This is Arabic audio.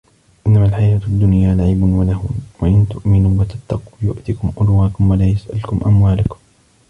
إِنَّمَا الحَياةُ الدُّنيا لَعِبٌ وَلَهوٌ وَإِن تُؤمِنوا وَتَتَّقوا يُؤتِكُم أُجورَكُم وَلا يَسأَلكُم أَموالَكُم